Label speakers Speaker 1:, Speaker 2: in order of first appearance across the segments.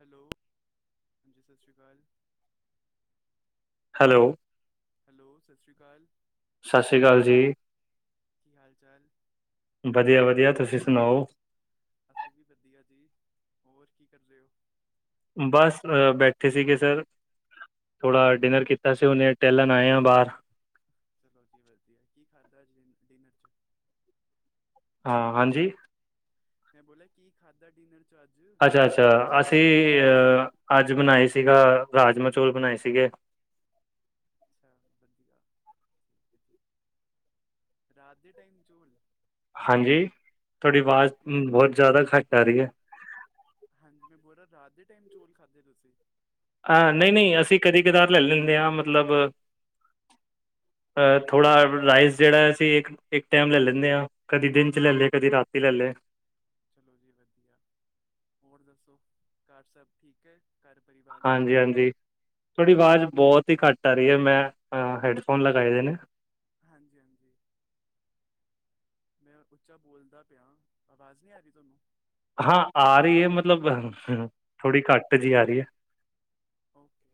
Speaker 1: Hello, ਹਾਂਜੀ ਸਾਸ਼੍ਰੀ ਅਕਾਲ।
Speaker 2: ਹੈਲੋ।
Speaker 1: ਹੈਲੋ, ਸਾਸ਼੍ਰੀ ਅਕਾਲ,
Speaker 2: ਸਤਿ ਸ਼੍ਰੀ ਅਕਾਲ ਜੀ।
Speaker 1: ਕੀ ਹਾਲ-ਚਾਲ?
Speaker 2: ਵਧੀਆ-ਵਧੀਆ ਤੁਸੀਂ ਸੁਣਾਓ?
Speaker 1: ਅਸੀਂ ਵੀ ਵਧੀਆ ਜੀ, ਹੋਰ ਕੀ ਕਰ ਰਹੇ ਹੋ?
Speaker 2: ਬਸ ਬੈਠੇ ਸੀਗੇ, ਸਰ ਥੋੜਾ ਡਿਨਰ
Speaker 1: ਹਾਂਜੀ
Speaker 2: ਕੀਤਾ। ਅਸੀਂ ਹੁਣੇ ਟਹਿਲਣ ਆਏ ਆਂ ਬਾਹਰ।
Speaker 1: ਚਲੋ ਜੀ ਵਧੀਆ, ਕੀ ਖਾਧਾ ਅੱਜ ਡਿਨਰ 'ਚ'?
Speaker 2: ਹਾਂ, ਹਾਂਜੀ।
Speaker 1: ਮੈਂ ਬੋਲਿਆ ਕੀ ਖਾਧਾ ਡਿਨਰ 'ਚ' ਅੱਜ?
Speaker 2: ਅੱਛਾ-ਅੱਛਾ ਅਸੀਂ ਅ-ਅੱਜ ਬਣਾਈ ਸੀਗਾਂ ਰਾਜਮਾਂਹ- ਚੌਲ ਬਣਾਏ ਸੀਗੇ।
Speaker 1: ਅੱਛਾ, ਵਧੀਆ ਰਾਤ ਦੇ ਟਾਈਮ ਚੋਲ।
Speaker 2: ਹਾਂਜੀ, ਤੁਹਾਡੀ ਵਾਜ਼
Speaker 1: ਰਾਤੀ
Speaker 2: ਬਹੁਤ ਜ਼ਿਆਦਾ ਘੱਟ ਆ ਰਹੀ ਆ।
Speaker 1: ਹਾਂਜੀ, ਮੈਂ ਬੋਲ ਰਿਹਾ ਰਾਤ ਦੇ ਟਾਈਮ ਚੋਲ ਖਾਂਦੇ ਤੁਸੀਂ?
Speaker 2: ਅਹ ਨਹੀਂ-ਨਹੀਂ ਅਸੀਂ ਕਦੀ-ਕਦਾਰ ਲੈ-ਲੈਂਣੇ ਆ ਮਤਲਬ ਅ ਥੋੜਾ
Speaker 1: ਹਾਂਜੀ ਹਾਂਜੀ
Speaker 2: ਰਾਈਜ। ਜਿਹੜਾ ਅਸੀਂ ਇੱਕ-ਇੱਕ ਟਾਈਮ ਲੈ-ਲੈਂਣੇ ਆ ਕਦੀ ਦਿਨ 'ਚ' ਲੈ-ਲਿਆ ਕਦੀ ਰਾਤੀ ਲੈ ਲਿਆ।
Speaker 1: ਚਲੋ ਜੀ ਵਧੀਆ, ਹੋਰ ਦੱਸੋ ਘਰ ਸਭ ਠੀਕ ਐ? ਘਰ ਪਰਿਵਾਰ ਸਭ ਵਧੀਆ
Speaker 2: ਹਾਂਜੀ-ਹਾਂਜੀ ਤੁਹਾਡੀ ਵਾਜ਼ ਬਹੁਤ ਹੀ ਘੱਟ ਆ ਰਹੀ ਆ ਮੈਂ ਹੈਡਫੋਨ ਲਗਾਏ ਹੋਏ ਨੇ।
Speaker 1: ਹਾਂਜੀ-ਹਾਂਜੀ। ਮੈਂ ਉੱਚਾ ਬੋਲਦਾ ਪਿਆ ਆਵਾਜ਼ ਨਹੀਂ ਆ ਰਹੀ ਤੁਹਾਨੂੰ?
Speaker 2: ਹਾਂ ਆ ਰਹੀ, ਮਤਲਬ ਥੋੜ੍ਹੀ ਘੱਟ ਜਿਹੀ ਆ ਰਹੀਆਂ।
Speaker 1: ਓਕੇ।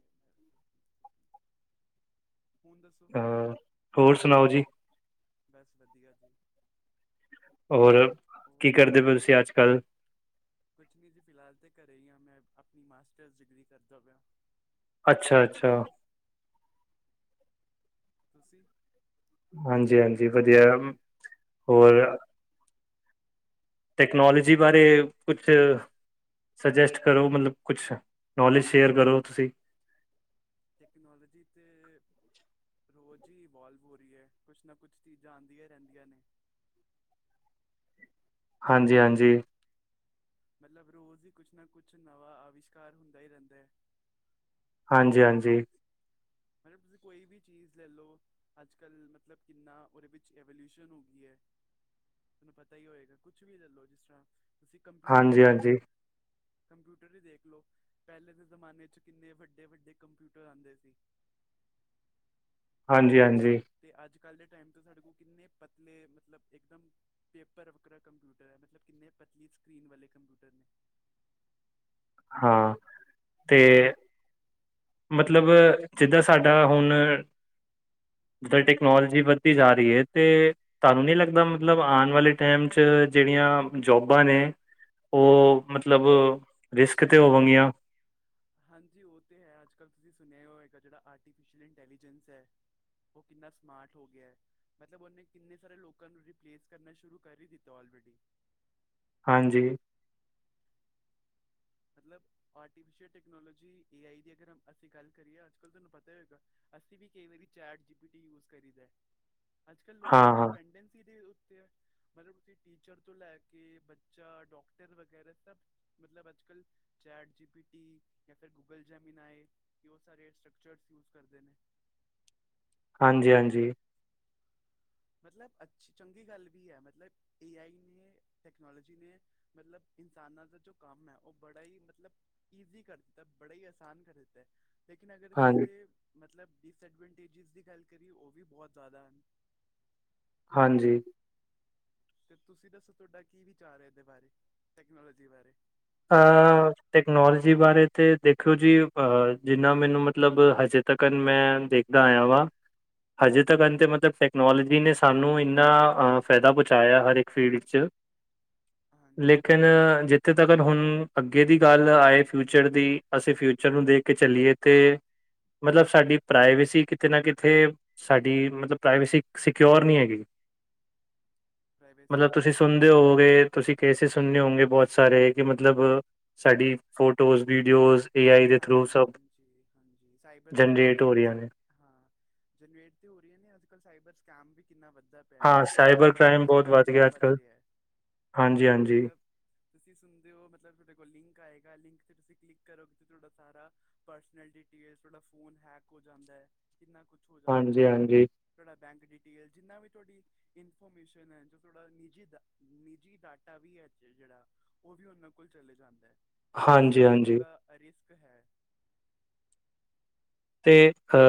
Speaker 1: ਹੁਣ ਦੱਸੋ?
Speaker 2: ਹੋਰ ਸੁਣਾਓ ਜੀ?
Speaker 1: ਬਸ ਵਧੀਆ ਜੀ।
Speaker 2: ਔਰ,
Speaker 1: ਹੋਰ
Speaker 2: ਕੀ ਕਰਦੇ ਪਏ ਤੁਸੀਂ ਅੱਜ-ਕੱਲ?
Speaker 1: ਕੁਛ ਨੀ ਜੀ ਫਿਲਹਾਲ ਤੇ ਘਰੇ ਹੀ ਆ ਮੈਂ ਆਪਣੀ ਮਾਸਟਰਸ ਡਿਗਰੀ ਕਰਦਾ ਪਿਆ।
Speaker 2: ਅੱਛਾ-ਅੱਛਾ,
Speaker 1: ਤੁੁਸੀਂ-ਤੁਸੀਂ।
Speaker 2: ਹਾਂਜੀ-ਹਾਂਜੀ, ਵਧੀਆ ਹੋਰ? ਟੈਕਨੋਲੋਜੀ ਬਾਰੇ ਕੁਛ ਸੁਜੈਸਟ ਕਰੋ, ਮਤਲਬ ਕੁਛ ਨੌਲੇਜ ਸ਼ੇਅਰ ਕਰੋ ਤੁਸੀਂ?
Speaker 1: ਟੈਕਨੋਲੋਜੀ ਤੇ ਰੋਜ਼ ਹੀ ਇਵੋਲਵ ਹੋ ਰਹੀ ਐ ਕੁਛ ਨਾ ਕੁਛ ਚੀਜ਼ਾਂ ਆਦੀਆਂ ਰਹਿੰਦੀਆਂ ਨੇ।
Speaker 2: ਹਾਂਜੀ-ਹਾਂਜੀ
Speaker 1: ਮਤਲਬ ਰੋਜ਼ ਹੀ ਕੁਛ ਨਾ ਕੁਛ, ਨਵਾਂ ਆਵਿਸ਼ਕਾਰ ਹੁੰਦਾ ਹੀ ਰਹਿੰਦਾ ਹੈ।
Speaker 2: ਹਾਂਜੀ-ਹਾਂਜੀ
Speaker 1: ਮੈਡਮ, ਤੁਸੀਂ ਕੋਈ ਵੀ ਚੀਜ਼ ਲੈਲੋ। ਅੱਜਕੱਲ੍ਹ, ਮਤਲਬ ਕਿੰਨਾ ਉਹਦੇ ਵਿੱਚ ਐਵੋਲਿਊਸ਼ਨ ਹੋ ਗਈ ਹੈ। ਤੁਹਾਨੂੰ ਪਤਾ ਹੀ ਹੋਏਗਾ, ਕੁਛ ਵੀ ਲੈਲੋ ਜਿਸ ਤਰ੍ਹਾਂ ਤੁਸੀਂ ਕੰਪਿਊਟਰ ਲੈਲੋ।
Speaker 2: ਹਾਂਜੀ-ਹਾਂਜੀ,
Speaker 1: ਕੰਪਿਊਟਰ ਹੀ ਦੇਖ ਲਓ, ਪਹਿਲੇ ਦੇ ਜ਼ਮਾਨੇ 'ਚ' ਕਿੰਨੇ ਵੱਡੇ- ਵੱਡੇ ਕੰਪਿਊਟਰ ਆਉਂਦੇ ਸੀ।
Speaker 2: ਹਾਂਜੀ- ਹਾਂਜੀ।
Speaker 1: ਤੇ ਅੱਜ-ਕੱਲ੍ਹ ਦੇ ਟਾਈਮ ਤੋਂ, ਸਾਡੇ ਕੋਲ ਕਿੰਨੇ ਪਤਲੇ ਮਤਲਬ ਇਕਦਮ ਪੇਪਰ ਵੱਖਰਾ ਕੰਪਿਊਟਰ ਹੈ, ਮਤਲਬ ਕਿੰਨੇ ਪਤਲੀ ਸਕਰੀਨ ਵਾਲੇ ਕੰਪਿਊਟਰ ਨੇ
Speaker 2: ਹਾਂ, ਤੇ ਮਤਲਬ, ਜਿੱਦਾਂ ਸਾਡਾ ਹੁਣ ਦਾ ਟੈਕਨੋਲੋਜੀ ਵੱਧਦੀ ਜਾ ਰਹੀ ਹੈ ਤੇ ਤੁਹਾਨੂੰ ਨਹੀਂ ਲੱਗਦਾ, ਮਤਲਬ ਆਉਣ ਵਾਲੇ ਟਾਇਮ 'ਚ ਜਿਹੜੀਆਂ ਜੋਬਜ ਨੇ ਉਹ ਮਤਲਬ ਰਿਸਕ 'ਤੇ ਹੋਣਗੀਆਂ।
Speaker 1: ਹਾਂਜੀ, ਉਹ ਤਾਂ ਹੈ ਅੱਜਕੱਲ੍ਹ ਤੁਸੀਂ ਸੁਣਿਆ ਈ ਹੋਏਗਾ। ਜਿਹੜਾ ਆਰਟੀਫਿਸ਼ਅਲ ਇੰਟੈਲੀਜੈਂਸ ਹੈ ਉਹ ਕਿੰਨਾ ਸਮਾਰਟ ਹੋ ਗਿਆ ਹੈ। ਮਤਲਬ ਉਹਨੇ ਕਿੰਨੇ ਸਾਰੇ ਲੋਕਾਂ ਨੂੰ ਰਿਪਲੇਸ ਕਰਨਾ ਸ਼ੁਰੂ ਕਰ ਹੀ ਦਿੱਤਾ, ਆਲਰੈਡੀ।
Speaker 2: ਹਾਂਜੀਂ।
Speaker 1: ਮਤਲਬ ਆਰਟੀਫਿਸ਼ਅਲ ਟੈਕਨੋਲੋਜੀ ਏ ਆਈ ਦੀ ਅਗਰ ਅਸੀਂ ਗੱਲ ਕਰੀਏ, ਅੱਜ -ਕੱਲ੍ਹ ਤੁਹਾਨੂੰ ਪਤਾ ਹੀ ਹੋਏਗਾ ਅਸੀਂ ਕਈ ਵਾਰੀ ਚੈਟ ਜੀਪੀਟੀ ਯੂਜ ਕਰੀਦੈ। ਅੱਜਕੱਲ੍ਹ
Speaker 2: ਹਾਂ
Speaker 1: ਲੋਕਾਂ ਦੀ
Speaker 2: ਹਾਂ
Speaker 1: ਡਿਪੈਂਡੈਂਸੀ ਇਹਦੇ ਉੱਤੇ ਆ। ਮਤਲਬ, ਤੁਸੀਂ ਟੀਚਰ ਤੋਂ ਲੈ ਕੇ ਬੱਚਾ, ਡਾਕਟਰ ਵਗੈਰਾ ਸਭ, ਮਤਲਬ ਅੱਜ ਕੱਲ੍ਹ ਚੈਟ ਜੀ ਪੀ ਟੀ ਜਾਂ ਫਿਰ, ਗੂਗਲ ਜੈਮੀਨਾਏ। ਕਿ ਉਹ ਸਾਰੇ ਸਟਰਕਚਰਜ ਯੂਜ ਕਰਦੇ ਨੇ।
Speaker 2: ਹਾਂਜੀ- ਹਾਂਜੀ।
Speaker 1: ਮਤਲਬ ਅੱਛੀ, ਚੰਗੀ ਗੱਲ ਵੀ ਹੈ, ਮਤਲਬ ਏ ਆਈ ਨੇ ਟੈਕਨੋਲੋਜੀ ਨੇ ਮਤਲਬ, ਇਨਸਾਨਾਂ ਦਾ ਜੋ ਕੰਮ ਹੈ ਉਹ ਬੜਾ ਹੀ ਮਤਲਬ ਈਜ਼ੀ ਕਰ ਦਿੱਤਾ, ਬੜਾ ਹੀ ਅਸਾਨ ਕਰ ਦਿੱਤਾ ਹੈ ਲੇਕਿਨ ਅਗਰ ਅਸੀਂ
Speaker 2: ਹਾਂਜੀ
Speaker 1: ਇਹਦੇ, ਮਤਲਬ ਡਿਸਐਡਵੈਂਟੇਜਸ ਦੀ ਗੱਲ ਕਰੀਏ ਉਹ ਵੀ ਬਹੁਤ ਜ਼ਿਆਦਾ ਹਨ।
Speaker 2: ਹਾਂਜੀ।
Speaker 1: ਤੇ ਤੁਸੀਂ ਦੱਸੋ ਤੁਹਾਡਾ ਕੀ ਵਿਚਾਰ ਹੈ ਇਹਦੇ ਬਾਰੇ, ਟੈਕਨੋਲੋਜੀ ਬਾਰੇ?
Speaker 2: ਆਹ ਟੈਕਨੋਲੋਜੀ ਬਾਰੇ ਤੇ ਦੇਖਿਓ ਜੀ, ਅਹ ਜਿੰਨਾ ਮੈਨੂੰ ਮਤਲਬ ਹਜੇ ਤੱਕਨ ਮੈਂ ਦੇਖਦਾ ਆਇਆ ਵਾ ਹਜੇ ਤੱਕ 'ਅੰਤਿਮ ਅਤੇ ਮਤਲਬ ਟੈਕਨੋਲੋਜੀ ਨੇ ਸਾਨੂੰ ਇੰਨਾਂ, ਫਾਇਦਾ ਪਹੁੰਚਾਇਆ ਹਰ ਇੱਕ ਫੀਲਡ 'ਚ [inaudible]
Speaker 1: ਹਾਂਜੀ
Speaker 2: ਲੇਕਿਨ ਹਜੇ ਅਗਰ ਹੁਣ ਅੱਗੇ ਦੀ ਗੱਲ ਆਏ ਫਿਊਚਰ ਦੀ ਅਸੀਂ ਫਿਊਚਰ ਨੂੰ ਦੇਖ ਕੇ ਚੱਲੀਏ ਤੇ ਮਤਲਬ, ਸਾਡੀ ਪ੍ਰਾਈਵੇਸੀ ਕਿਤੇ ਨਾ ਕਿਤੇ ਸਾਡੀ ਮਤਲਬ, ਪ੍ਰਾਈਵੇਸੀ ਸਿਕਓਰ ਨਹੀਂ ਹੈਗੀ।
Speaker 1: [inaudible]
Speaker 2: [inaudible]
Speaker 1: ਪ੍ਰਾਈਵੇਸੀ
Speaker 2: ਮਤਲਬ
Speaker 1: ਕਿਸ
Speaker 2: ਤੁਸੀਂ
Speaker 1: ਤਰ੍ਹਾਂ
Speaker 2: ਸੁਣਦੇ ਹੋਵਗੇ, ਤੁਸੀਂ ਕੇਸਿਸ ਸੁਣਦੇ ਹੋਗੇ ਬਹੁਤ ਸਾਰੇ ਕਿ ਮਤਲਬ ਸਾਡੀ ਫੋਟੋਜ਼, ਵੀਡੀਓਜ਼ ਏ ਆਈ ਦੇ ਥਰੂ
Speaker 1: ਹਾਂਜੀ-
Speaker 2: ਸਭ
Speaker 1: ਹਾਂਜੀ, ਹਾਂਜੀ -ਸਾਈਬਰ ਸਕੈਮ
Speaker 2: ਜਨਰੇਟ
Speaker 1: ਵੀ
Speaker 2: ਹੋ ਰਹੀਆਂ
Speaker 1: ਤੁਸੀਂ
Speaker 2: ਨੇ।
Speaker 1: ਹਾਂ ਜਨਰੇਟ ਤੇ ਹੋ ਰਹੀ ਹੈ ਨੇ, ਅੱਜ- ਕੱਲ੍ਹ ਸਾਈਬਰ ਸਕੈਮ ਵੀ ਕਿੰਨਾ ਵੱਧਦਾ।
Speaker 2: ਹਾਂ,
Speaker 1: ਸਾਈਬਰ ਕ੍ਰਾਈਮ
Speaker 2: ਬਹੁਤ
Speaker 1: ਕਿੰਨਾ
Speaker 2: ਗਿਆ
Speaker 1: ਵੱਧ
Speaker 2: ਅੱਜ-ਕੱਲ੍ਹ।
Speaker 1: ਰਿਹਾ [inaudible]
Speaker 2: ਹਾਂਜੀ-ਹਾਂਜੀ,
Speaker 1: ਮਤਲਬ ਤੁਸੀਂ ਸੁਣਦੇ ਹੋ, ਮਤਲਬ ਤੁਹਾਡੇ ਕੋਲ ਲਿੰਕ ਆਏਗਾ ਲਿੰਕ ਤੇ ਤੁਸੀਂ ਕਲਿੱਕ ਕਰੋਗੇ ਤੇ ਤੁਹਾਡਾ ਸਾਰਾ ਪਰਸਨਲ ਡਿਟੇਲ ਤੁਹਾਡਾ ਫੋਨ ਹੈਕ ਹੋ ਜਾਂਦਾ ਹੈ। ਕਿੰਨਾ ਕੁਛ ਹੋ ਜਾਂਦਾ,
Speaker 2: ਹਾਂਜੀ-ਹਾਂਜੀ,
Speaker 1: ਤੁਹਾਡਾ ਬੈਂਕ ਡਿਟੇਲ ਜਿੰਨਾ ਵੀ ਤੁਹਾਡੀ ਇਨਫੋਰਮੇਸ਼ਨ ਆ ਜੋ ਥੋੜਾ ਨਿੱਜੀ ਅ ਨਿੱਜੀ ਡਾਟਾ ਵੀ ਐ ਜਿਹੜਾ ਉਹ ਵੀ ਉਹਨਾਂ ਕੋਲ ਚਲੇ ਜਾਂਦਾ ਐ। ਤੇ ਉਸ ਗੱਲ ਦਾ
Speaker 2: ਹਾਂਜੀ-ਹਾਂਜੀ
Speaker 1: ਥੋੜ੍ਹਾ ਰਿਸਕ ਹੈ।
Speaker 2: ਤੇ ਹ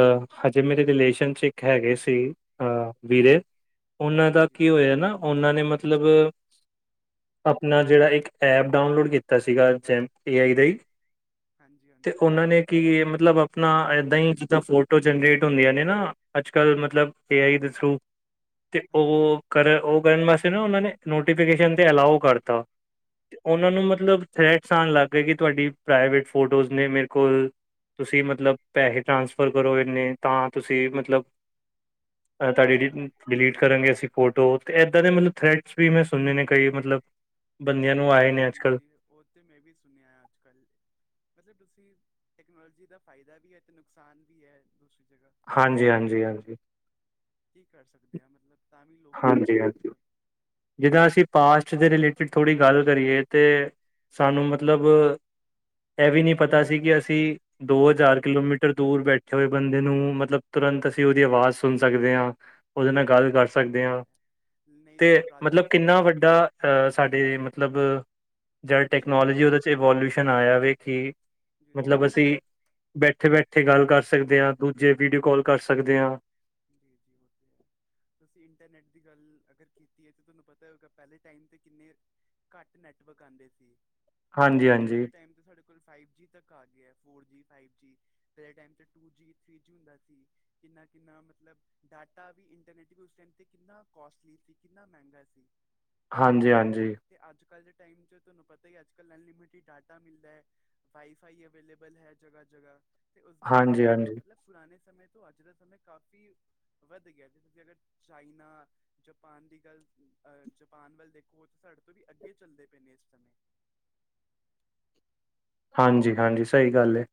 Speaker 2: ਹਜੇ ਮੇਰੇ ਰਿਲੇਸ਼ਨ 'ਚ ਇੱਕ ਹੈਗੇ ਸੀ ਅ ਵੀਰੇ ਉਹਨਾਂ ਦਾ
Speaker 1: ਹਾਂਜੀ
Speaker 2: ਕੀ ਹੋਇਆ ਨਾ ਉਹਨਾਂ ਨੇ ਮਤਲਬ ਆਪਣਾ ਜਿਹੜਾ ਇੱਕ ਐਪ ਡਾਊਨਲੋਡ ਕੀਤਾ ਸੀਗਾ ਜਪ ਏ ਆਈ ਦਾ ਹੀ
Speaker 1: ਹਾਂਜੀ
Speaker 2: ਤੇ
Speaker 1: ਹਾਂਜੀ
Speaker 2: ਉਹਨਾਂ ਨੇ ਕੀ ਮਤਲਬ ਆਪਣਾ ਨਹੀ ਜਿੱਦਾਂ ਫੋਟੋ ਜਨਰੇਟ ਹੁੰਦੀਆਂ ਨੇ ਨਾ। ਅੱਜ ਕੱਲ੍ਹ ਮਤਲਬ ਏ ਆਈ ਦੇ ਥਰੂ ਤੇ ਉਹ
Speaker 1: ਹਾਂਜੀ
Speaker 2: ਕਰ ਉਹ ਕਰਨ ਵਾਸਤੇ ਨਾ ਉਹਨਾਂ ਨੇ ਨੋਟੀਫਿਕੇਸ਼ਨ ਤੇ ਅਲਾਓ ਕਰਤਾ ਉਹਨਾਂ ਨੂੰ
Speaker 1: ਹਾਂਜੀ
Speaker 2: ਮਤਲਬ ਥਰੈਟਸ ਆਂਣ ਲੱਗ ਗਏ। ਕਿ ਤੁਹਾਡੀ ਪ੍ਰਾਈਵੇਟ ਫੋਟੋਜ਼ ਨੇ ਮੇਰੇ ਕੋਲ ਤੁਸੀਂ ਮਤਲਬ ਪੈਸੇ ਟਰਾਂਸਫਰ ਕਰੋ ਇੰਨੇ ਤਾਂ ਤੁਸੀਂ ਮਤਲਬ ਅਹ ਤੁਹਾਡੀ
Speaker 1: ਅੱਛਾ
Speaker 2: ਡਿਲੀਟ ਕਰਾਂਗੇ ਅਸੀਂ ਫੋਟੋ ਤੇ ਇੱਦਾਂ ਦੇ ਮਤਲਬ ਥਰੈਟਸ ਵੀ ਮੈਂ ਸੁਣੇ ਨੇ ਕਈ ਮਤਲਬ ਬੰਦਿਆਂ ਨੂੰ ਆਏ
Speaker 1: ਹਾਂਜੀ
Speaker 2: ਨੇ ਅੱਜ ਕੱਲ੍ਹ
Speaker 1: ਹਾਂਜੀ ਉਹ ਤੇ ਮੈਂ ਵੀ ਸੁਣਿਆ ਅੱਜ ਕੱਲ ਵੈਸੇ ਤੁਸੀਂ ਟੈਕਨੋਲੋਜੀ ਦਾ ਫਾਇਦਾ ਵੀ ਆ ਤੇ ਨੁਕਸਾਨ ਵੀ ਆ ਦੂਸਰੀ ਜਗਾ।
Speaker 2: ਹਾਂਜੀ ਹਾਂਜੀ।
Speaker 1: ਕੀ ਕਰ ਸਕਦੇ ਆ। ਮਤਲਬ ਤਾਂ ਵੀ ਲੋਕੀ
Speaker 2: ਹਾਂਜੀ ਹਾਂਜੀ
Speaker 1: ਮਤਲਬ
Speaker 2: ਜਿੱਦਾਂ ਅਸੀਂ ਪਾਸਟ ਦੇ ਰਿਲੇਟਿਡ ਥੋੜ੍ਹੀ ਗੱਲ ਕਰੀਏ ਤੇ ਸਾਨੂੰ ਮਤਲਬ ਇਹ ਵੀ ਨੀ ਪਤਾ ਸੀ। ਕਿ ਅਸੀਂ ਦੋ ਹਜ਼ਾਰ ਕਿਲੋਮੀਟਰ ਦੂਰ ਬੈਠੇ ਹੋਏ ਬੰਦੇ ਨੂੰ ਮਤਲਬ ਤੁਰੰਤ ਅਸੀਂ ਉਹਦੀ ਆਵਾਜ਼ ਸੁਣ ਸਕਦੇ ਆ। ਉਹਦੇ ਨਾਲ ਗੱਲ ਕਰ
Speaker 1: ਹਾਂਜੀ ਉਹ
Speaker 2: ਸਕਦੇ
Speaker 1: ਤੇ
Speaker 2: ਆ।
Speaker 1: ਹੈ ਨਹੀਂ
Speaker 2: ਤੇ
Speaker 1: ਪੁਰਾਤਨ
Speaker 2: ਮਤਲਬ
Speaker 1: ਸਮੇਂ
Speaker 2: ਕਿੰਨਾ
Speaker 1: 'ਚ
Speaker 2: ਵੱਡਾ
Speaker 1: ਤੇ
Speaker 2: ਅਹ
Speaker 1: ਹਾਂ
Speaker 2: ਸਾਡੇ ਮਤਲਬ ਜ
Speaker 1: ਆਵਿਸ਼ਕਾਰ
Speaker 2: ਟੈਕਨੋਲੋਜੀ
Speaker 1: ਹੈ
Speaker 2: ਉਹਦੇ 'ਚ ਇਵੋਲਿਊਸ਼ਨ ਆਇਆ ਵਵੇ ਕਿ
Speaker 1: ਜੀ ਜੀ
Speaker 2: ਮਤਲਬ
Speaker 1: ਹੋਤੇ
Speaker 2: ਅਸੀਂ
Speaker 1: ਹੈ
Speaker 2: ਬੈਠੇ ਬੈਠੇ ਗੱਲ ਕਰ ਸਕਦੇ ਆ। ਦੂਜੇ ਵੀਡੀਓ ਕਾਲ ਕਰ ਸਕਦੇ ਆ।
Speaker 1: ਜੀ ਜੀ ਉਹ ਤੇ ਐ। ਤੁਸੀਂ ਇੰਟਰਨੈਟ ਦੀ ਗੱਲ ਅਗਰ ਕੀਤੀ ਐ। ਤਾਂ ਤੁਹਾਨੂੰ ਪਤਾ ਹੋਗਾ ਪਹਿਲੇ ਟਾਈਮ ਤੇ ਕਿੰਨੇ ਘੱਟ ਨੈਟਵਰਕ ਆਂਦੇ ਸੀ ਤੇ
Speaker 2: ਹਾਂਜੀ
Speaker 1: ਅੱਜ ਕੱਲ੍ਹ
Speaker 2: ਹਾਂਜੀ
Speaker 1: ਦੇ ਟਾਈਮ ਸਾਡੇ ਕੋਲ ਫਾਈਵ ਜੀ ਤੱਕ ਆ ਗਿਆ ਫੋਰ ਜੀ ਫਾਈਵ ਜੀ। ਪਹਿਲੇ ਟਾਈਮ ਤੇ ਟੂ ਜੀ ਥ੍ਰੀ ਜੀ ਹੁੰਦਾ ਸੀ। ਕਿੰਨਾ- ਕਿੰਨਾ ਮਤਲਬ ਡਾਟਾ ਵੀ ਇੰਟਰਨੈਟ ਵੀ ਉਸ ਟਾਈਮ ਤੇ ਕਿੰਨਾ ਕੋਸਟਲੀ ਸੀ। ਕਿੰਨਾ ਮਹਿੰਗਾ ਸੀ।
Speaker 2: ਹਾਂਜੀ ਹਾਂਜੀ।
Speaker 1: ਤੇ ਅੱਜ ਕੱਲ੍ਹ ਦੇ ਟਾਈਮ 'ਚ ਤੁਹਾਨੂੰ ਪਤਾ ਹੀ ਅੱਜ ਕੱਲ੍ਹ ਅਨਲਿਮਿਟਿਡ ਡਾਟਾ ਮਿਲਦਾ ਐ। ਵਾਈ ਫਾਈ ਅਵੇਲੇਬਲ ਹੈ। ਜਗ੍ਹ ਜਗ੍ਹਾ ਤੇ ਉਸ ਗੱਲ ਦਾ
Speaker 2: ਹਾਂਜੀ
Speaker 1: ਵੀ ਹੈ।
Speaker 2: ਹਾਂਜੀ
Speaker 1: ਮਤਲਬ ਪੁਰਾਣੇ ਸਮੇਂ ਤੋਂ ਅੱਜ ਦਾ ਸਮੇਂ ਕਾਫ਼ੀ ਵੱਧ ਗਿਆ। ਜਿਵੇਂ [unintelligible] ਅਗਰ ਚਾਈਨਾ। ਜਾਪਾਨ ਦੀ ਗੱਲ ਅਹ ਜਪਾਨ ਵੱਲ ਦੇਖੋ ਤਾਂ ਸਾਡੇ ਤੋਂ ਵੀ ਅੱਗੇ ਚੱਲਦੇ ਪਏ ਨੇ। ਇਸ ਸਮੇਂ
Speaker 2: ਹਾਂਜੀ ਹਾਂਜੀ ਸਹੀ ਗੱਲ ਏ।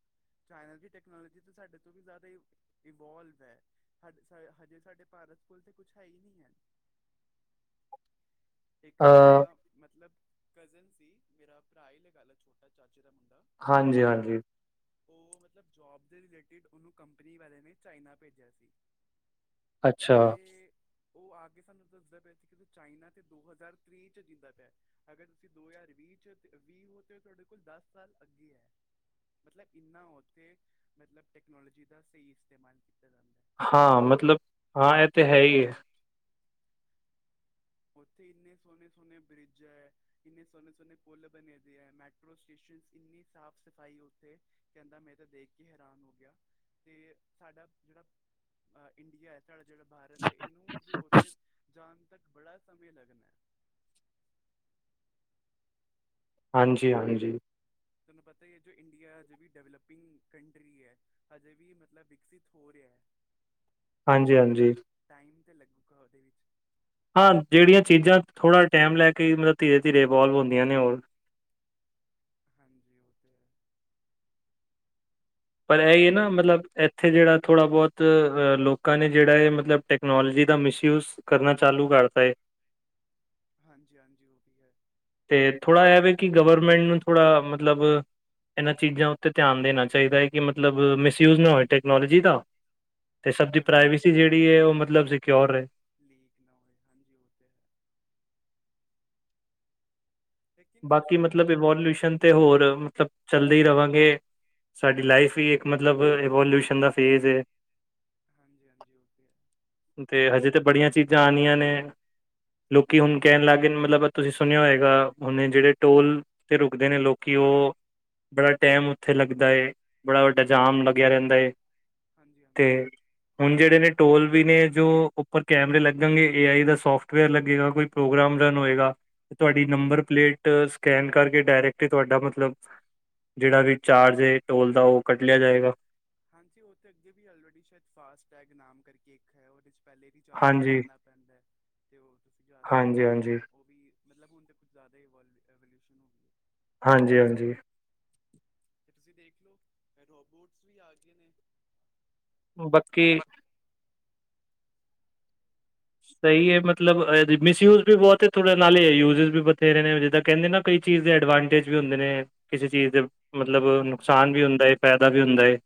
Speaker 1: ਚਾਈਨਾ ਦੀ ਟੈਕਨੋਲੋਜੀ ਤੇ ਸਾਡੇ ਤੋਂ ਵੀ ਜ਼ਿਆਦਾ ਹੀ ਹਉ ਇਵਬੋਲਵ ਐ। ਸਾਡੇ ਹਜੇ ਸਾਡੇ ਭਾਰਤ ਸਕੂਲ ਤੇ ਕੁਛ ਹੈ ਹੀ ਨਹੀਂ ਐ। [inaudible] ਇੱਕ ਮੇਰਾ
Speaker 2: ਅ
Speaker 1: ਮਤਲਬ ਕਜ਼ਨ ਸੀ। ਮੇਰਾ ਭਰਾ ਹੀ ਲਗਾ ਲਾ ਆ ਛੋਟਾ ਚਾਚੇ ਦਾ ਮੁੰਡਾ
Speaker 2: ਹਾਂਜੀ ਹਾਂਜੀ
Speaker 1: ਉਹ ਮਤਲਬ ਜੋਬ ਦੇ ਰਿਲੇਟਿਡ ਉਹਨੂੰ ਕੰਪਨੀ ਵਾਲਿਆ ਨੇ ਚਾਈਨਾ ਭੇਜਿਆ ਸੀ।
Speaker 2: ਅੱਛਾ
Speaker 1: ਤੇ ਉਹ ਆ ਕੇ ਸਾਨੂੰ ਦਸੱਦੇ ਪਏ ਸੀ। ਕਿ ਚਾਈਨਾ ਤੇ ਦੋ ਹਜ਼ਾਰ ਤ੍ਰਈ 'ਚ ਜੀਂਦਾ ਪਿਆ। ਅਗਰ ਤੁਸੀਂ ਦੋ ਹਜ਼ਾਰ ਵੀਹ ਚ ਵੀਹ ਹੋ, ਤੇ ਤੁਹਾਡੇ ਕੋਲ ਦਸ ਸਾਲ ਅੱਗੇ ਹੈ। ਮਤਲਬ ਇੰਨਾ ਉੱਥੇ ਮਤਲਬ ਟੈਕਨੋਲੋਜੀ ਦਾ ਸਹੀ ਇਸਤੇਮਾਲ ਕੀਤਾ ਜਾਂਦਾ।
Speaker 2: ਹਾਂ ਮਤਲਬ ਹਾਂ ਇਹ ਤੇ ਹੈ ਹੀ ਹੈ।
Speaker 1: ਉੱਥੇ ਇੰਨੇ ਸੋਹਣੇ-ਸੋਹਣੇ ਬ੍ਰਿਜ ਐ। ਕਿੰਨੇ ਸੋਹਣੇ-ਸੋਹਣੇ ਪੁਲ ਬਣੇ ਦੇ ਆ। ਮੈਟਰੋ -ਸਟੇਸ਼ਨ ਇੰਨੀ ਸਾਫ਼-ਸਫ਼ਾਈ ਉੱਥੇ। ਕਹਿੰਦਾ ਮੈਂ ਤਾਂ ਦੇਖ ਕੇ ਹੈਰਾਨ ਹੋ ਗਿਆ ਤੇ ਸਾਡਾ ਜਿਹੜਾ ਇੰਡੀਆ ਏ। ਸਾਡਾ ਜਿਹੜਾ ਭਾਰਤ ਏ‌। ਇਹਨੂੰ ਹਜੇ ਉੱਥੇ ਜਾਣ ਤੱਕ ਬੜਾ ਸਮੇਂ ਲੱਗਣਾ।
Speaker 2: ਹਾਂਜੀ- ਹਾਂਜੀ।
Speaker 1: ਥੋਨੂੰ ਪਤਾ ਈ ਐ, ਜੋ ਇੰਡੀਆ ਅਜੇ ਵੀ ਡਵੈਲਪਿੰਗ ਕੰੰਟਰੀ ਏ। ਹਜੇ ਵੀ ਮਤਲਬ ਵਿਕਸਿਤ ਹੋ ਰਿਹਾ।
Speaker 2: ਹਾਂਜੀ
Speaker 1: ਤੇ
Speaker 2: ਹਾਂਜੀ
Speaker 1: ਟਾਇਮ ਤੇ ਲੱਗੂਗਾ ਉਹਦੇ ਵਿੱਚ।
Speaker 2: ਹਾਂ, ਜਿਹੜੀਆਂ ਚੀਜ਼ਾਂ ਥੋੜ੍ਹਾ ਟਾਈਮ ਲੈ ਕੇ ਮਤਲਬ ਧੀਰੇ-ਧੀਰੇ ਇਨਵੋਲਵ ਹੁੰਦੀਆਂ ਨੇ ਉਹ।
Speaker 1: ਹਾਂਜੀ, ਉਹ ਤੇ ਹੈ।
Speaker 2: ਪਰ ਇਹ ਏ ਨਾ ਮਤਲਬ ਇੱਥੇ ਜਿਹੜਾ ਥੋੜ੍ਹਾ ਬਹੁਤ ਅ ਲੋਕਾਂ ਨੇ ਜਿਹੜਾ ਏ ਮਤਲਬ ਟੈਕਨੋਲੋਜੀ ਦਾ ਮਿਸਯੂਜ ਕਰਨਾ ਚਾਲੂ ਕਰਤਾ ਏ।
Speaker 1: ਹਾਂਜੀ- ਹਾਂਜੀ, ਉਹ ਵੀ ਹੈ।
Speaker 2: ਤੇ ਥੋੜ੍ਹਾ ਇਹਵੇ ਕਿ ਗਵਰਮੈਂਟ ਨੂੰ ਥੋੜ੍ਹਾ ਮਤਲਬ ਇਹਨਾਂ ਚੀਜ਼ਾਂ ਉੱਤੇ ਧਿਆਨ ਦੇਣਾ ਚਾਹੀਦਾ ਏ ਕਿ ਮਤਲਬ ਮਿਸਯੂਜ ਨਾ ਹੋਏ ਟੈਕਨੋਲੋਜੀ ਦਾ। ਤੇ ਸਭ ਦੀ
Speaker 1: ਹਾਂਜੀ
Speaker 2: ਪ੍ਰਾਈਵੇਸੀ
Speaker 1: ਹਾਂਜੀ
Speaker 2: ਜਿਹੜੀ ਏ। ਉਹ ਮਤਲਬ ਸਿਕਓਰ ਰਹੇ।
Speaker 1: ਲੀਕ ਨਾ ਹੋਏ। ਹਾਂਜੀ, ਉਹ ਤੇ ਹੈ। ਲੇਕਿਨ
Speaker 2: ਬਾਕੀ
Speaker 1: ਇਨਸਾਨ ਦੀ
Speaker 2: ਮਤਲਬ
Speaker 1: ਵੀ ਥੋੜੀ
Speaker 2: ਇਵੋਲਿਊਸ਼ਨ
Speaker 1: ਆਪਣੀ
Speaker 2: ਤੇ ਹੋਰ ਮਤਲਬ ਚੱਲਦੇ ਰਹਾਂਗੇ। ਸਾਡੀ ਲਾਈਫ ਹੀ
Speaker 1: ਹਾਂਜੀ
Speaker 2: ਇੱਕ ਮਤਲਬ ਐਵੋਲਿਊਸ਼ਨ ਦਾ ਫੇਜ਼ ਏ।
Speaker 1: ਹਾਂਜੀ -ਹਾਂਜੀ ਉਹ ਤੇ ਹੈ।
Speaker 2: ਤੇ ਹਜੇ ਤੇ ਬੜੀਆਂ ਚੀਜ਼ਾਂ ਆਣੀਆਂ ਨੇ ਲੋਕੀ ਹੁਣ
Speaker 1: ਹਾਂ
Speaker 2: ਕਹਿਣ ਲੱਗ ਗਏ ਮਤਲਬ ਤੁਸੀਂ ਸੁਣਿਆ ਹੋਏਗਾ? ਹੁਣੇ ਜਿਹੜੇ ਟੋਲ ਤੇ ਰੁਕਦੇ ਨੇ ਲੋਕੀ, ਉਹ ਬੜਾ ਟਾਇਮ ਉੱਥੇ ਲੱਗਦਾ ਏ। ਬੜਾ ਵੱਡਾ
Speaker 1: ਹਾਂ
Speaker 2: ਜਾਮ ਲੱਗਿਆ ਰਹਿੰਦਾ ਏੇ
Speaker 1: ਹਾਂਜੀ
Speaker 2: ਤੇ
Speaker 1: ਹਾਂਜੀ
Speaker 2: ਹੁਣ ਜਿਹੜੇ ਨੇ ਟੋਲ ਵੀ ਨੇ। ਜੋ ਉੱਪਰ ਕੈਮਰੇ ਲੱਗਣਗੇ ਏ ਆਈ ਦਾ ਸੋਫਟਵੇਅਰ ਲੱਗੇਗਾ ਕੋਈ ਪ੍ਰੋਗਰਾਮ ਰਨ ਤੇ ਤੁਹਾਡੀ ਨੰਬਰ ਪਲੇਟ ਸਕੈਨ ਕਰਕੇ, ਡਾਇਰੈਕਟ ਤੁਹਾਡਾ ਮਤਲਬ। ਜਿਹੜਾ ਵੀ ਚਾਰਜ ਏ ਟੋਲ ਦਾ ਉਹ ਕੱਟ ਲਿਆ ਜਾਏਗਾ।
Speaker 1: ਹਾਂਜੀ, ਉਹ ਤਾਂ ਅੱਗੇ ਵੀ ਸ਼ਾਇਦ ਗਏ ਫਾਸਟੈਗ ਨਾਮ ਕਰਕੇ ਇੱਕ ਉਹਦੇ 'ਚ ਪਹਿਲੇ ਰਿਚਾਰਜ
Speaker 2: ਹਾਂਜੀ
Speaker 1: ਕਰਵਾਉਣਾ ਪੈਦਾ ਏ ਤੇ ਉਹ ਤੁਸੀਂ ਜਾ ਸਕਦੇ
Speaker 2: ਹਾਂਜੀ
Speaker 1: ਹੋ।
Speaker 2: ਹਾਂਜੀ
Speaker 1: ਉਹ ਵੀ ਹੁਣ ਮਤਲਬ ਤੇ ਕੁੱਝ ਜ਼ਿਆਦਾ ਐਵਿਲਿਊਸਨ ਹੋ ਗਈ ਏ।
Speaker 2: ਹਾਂਜੀ ਹਾਂਜੀ।
Speaker 1: ਤੇ ਤੁਸੀਂ ਦੇਖ ਲਓ ਰੋਬੋਟਸ ਵੀ ਆ ਗਏ ਨੇ?
Speaker 2: ਬਾਕੀ ਸਹੀ ਏ
Speaker 1: ਹਾਂਜੀ
Speaker 2: ਮਤਲਬ ਮਿਸਯੂਜ ਵੀ ਬਹੁਤ ਨੇ। ਤੁਹਾਡੇ ਨਾਲ ਯੂਜਜ਼ ਵੀ ਬਥੇਰੇ ਨੇ ਜਿੱਦਾਂ ਕਹਿੰਦੇ ਨਾ ਕਈ ਚੀਜ਼ ਦੇ ਐਡਵਾਂਟੇਜ ਵੀ ਹੁੰਦੇ ਨੇ। ਕਿਸੇ ਚੀਜ਼ ਦੇ ਮਤਲਬ ਨੁਕਸਾਨ ਵੀ ਹੁੰਦਾ ਏ। ਫਾਇਦਾ ਵੀ ਹੁੰਦਾ ਹੈ।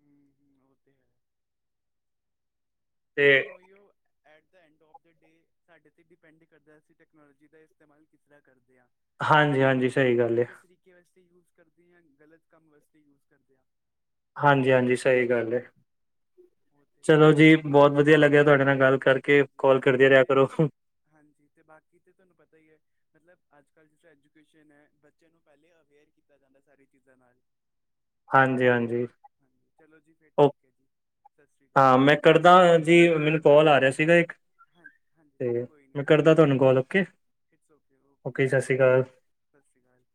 Speaker 1: ਹਮ- ਹਮ ਉਹ ਤੇ ਹੈ।
Speaker 2: ਤੇ
Speaker 1: ਲੇਕਿਨ ਉਹੀਓ। At the end of the day, ਸਾਡੇ ਤੇ ਡਿਪੈਂਡ ਕਰਦਾ ਅਸੀਂ ਟਕਨੋਲੋਜੀ ਦਾ ਇਸਤੇਮਾਲ ਕਿਸ ਤਰ੍ਹਾਂ ਕਰਦੇ ਹਾ?
Speaker 2: ਹਾਂਜੀ
Speaker 1: ਅਸੀਂ
Speaker 2: ਹਾਂਜੀ
Speaker 1: ਉਹਨੂੰ
Speaker 2: ਸਹੀ ਗੱਲ ਹੈ
Speaker 1: ਅੱਛੇ ਤਰੀਕੇ ਵਾਸਤੇ ਯੂਜ ਕਰਦੇ ਹਾਂ, ਗ਼ਲਤ ਕੰਮ ਵਾਸਤੇ ਯੂਜ ਕਰਦੇ ਹਾਂ।
Speaker 2: ਹਾਂਜੀ -ਹਾਂਜੀ। ਸਹੀ ਗੱਲ ਏ।
Speaker 1: [inaudible] ਉਹ ਤੇ ਹੈ। ਬਾਕੀ,
Speaker 2: ਵਧੀਆ ਲੱਗਿਆ ਤੁਹਾਡੇ ਨਾਲ ਗੱਲ ਕਰਕੇ
Speaker 1: ਹਾਂਜੀ
Speaker 2: ਕਾਲ
Speaker 1: ਬਾਕੀ
Speaker 2: ਕਰਦੇ ਰਿਹਾ
Speaker 1: ਤੇ
Speaker 2: ਕਰੋ
Speaker 1: ਹਾਂਜੀ ਤੇ ਬਾਕੀ ਤੇ ਤੁਹਾਨੂੰ ਪਤਾ ਈ ਐ। ਮਤਲਬ ਅੱਜ-ਕੱਲ੍ਹ ਜਿੱਥੇ ਐਜੂਕੇਸ਼ਨ ਆ। ਬੱਚਿਆਂ ਨੂੰ ਪਹਿਲੇ ਅਵੇਅਰ ਕੀਤਾ ਜਾਂਦਾ ਸਾਰੀ ਚੀਜ਼ਾਂ ਨਾਲ।
Speaker 2: ਹਾਂਜੀ-ਹਾਂਜੀ
Speaker 1: ਹਾਂਜੀ, ਚਲੋ ਜੀ ਫੇਰ
Speaker 2: ਓ
Speaker 1: ਠੀਕ ਏ ਜੀ। ਸਤਿ ਸ਼੍ਰੀ ਅਕਾਲ
Speaker 2: ਹਾਂ, ਮੈਂ ਕਰਦਾ ਜੀ ਮੈਨੂੰ ਕਾਲ ਆ ਰਿਹਾ ਸੀਗਾ ਇੱਕ।
Speaker 1: ਹਾਂ, ਹਾਂਜੀ ਚਲੋ
Speaker 2: ਤੇ
Speaker 1: ਕੋਈ ਨੀ
Speaker 2: ਮੈਂ
Speaker 1: ਜੀ, ਕੋਈ
Speaker 2: ਕਰਦਾ ਤੁਹਾਨੂੰ
Speaker 1: ਨੀ
Speaker 2: call okay okay
Speaker 1: it's okay- okay
Speaker 2: ਜੀ ਸਤਿ
Speaker 1: ਬਾਏ।
Speaker 2: ਸ਼੍ਰੀ ਅਕਾਲ
Speaker 1: ਸਤਿ ਸ੍ਰੀ ਅਕਾਲ ਜੀ।